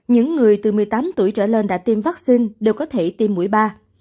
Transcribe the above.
những người từ một mươi tám tuổi trở lên đã tiêm vaccine đều có thể tiêm mũi ba